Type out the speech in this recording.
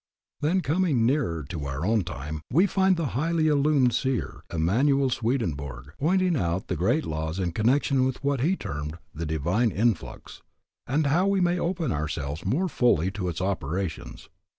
Then, coming nearer to our own time, we find the highly illumined seer, Emanuel Swedenborg, pointing out the great laws in connection with what he termed, the divine influx, and how we may open ourselves more fully to its operations.